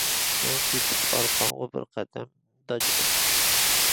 مەن چۆچۈپ ئارقامغا بىر قەدەم داجىدىم.